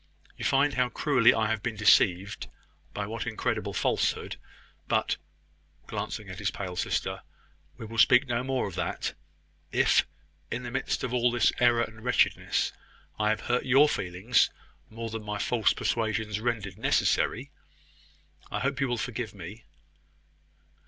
You find how cruelly I have been deceived by what incredible falsehood . But," glancing at his pale sister, "we will speak no more of that. If, in the midst of all this error and wretchedness, I have hurt your feelings more than my false persuasions rendered necessary... I hope you will forgive me."